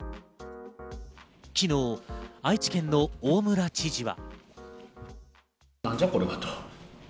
昨日、愛知県の大村知事は。